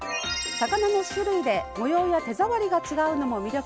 魚の種類で模様や手触りが違うのも魅力。